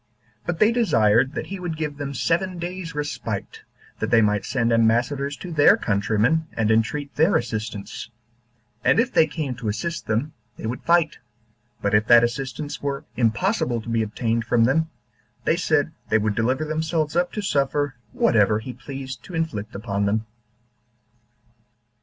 But they desired that he would give them seven days' respite, that they might send ambassadors to their countrymen, and entreat their assistance; and if they came to assist them, they would fight; but if that assistance were impossible to be obtained from them, they said they would deliver themselves up to suffer whatever he pleased to inflict upon them.